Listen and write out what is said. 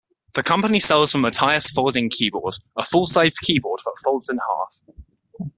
The company sells the Matias Folding Keyboard, a full-sized keyboard that folds in half.